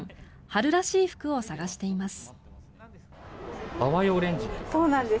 春らしい服を探しています。